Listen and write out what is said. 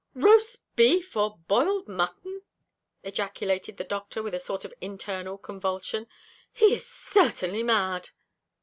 "Roast beef, or boiled mutton!" ejaculated the Doctor, with a sort of internal convulsion; "he is certainly mad."